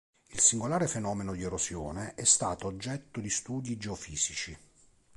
Il singolare fenomeno di erosione è stato oggetto di studi geofisici.